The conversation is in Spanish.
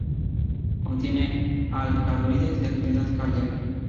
Contienen alcaloides de actividad cardíaca.